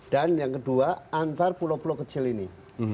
dan yang kedua antar pulau pulau kecil ini